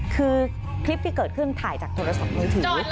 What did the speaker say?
คือคลิปที่เกิดขึ้นถ่ายจากโทรศัพท์มือถือ